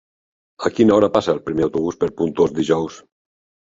A quina hora passa el primer autobús per Pontós dijous?